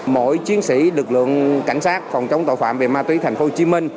mỗi chiến sĩ lực lượng cảnh sát phòng chống tội phạm về ma túy tp hcm